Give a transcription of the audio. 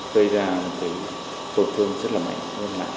gây ra một cái tổn thương rất là mạnh